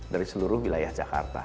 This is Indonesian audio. dari seluruh wilayah jakarta